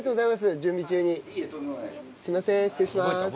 すいません失礼します。